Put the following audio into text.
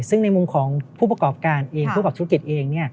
ซึ่งในมุมของผู้ประกอบการเองผู้ประกอบธุรกิจเอง